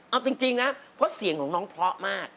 เอาจริงนะเพราะเสียงของน้องเพราะมาก